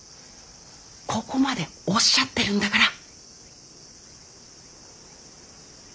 ここまでおっしゃってるんだから。